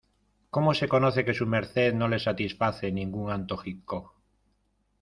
¡ cómo se conoce que su merced no le satisface ningún antojico!